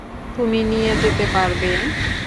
তুমি নিয়ে যেতে পারবে?